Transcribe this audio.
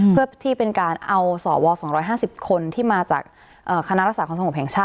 เพื่อที่เป็นการเอาสอวว๒๕๐คนมาจากคณะรักษาทางสมมุมแห่งชาติ